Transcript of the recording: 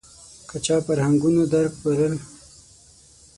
که چا فرهنګونو درک بلل